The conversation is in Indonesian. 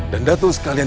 dan datuk sekalian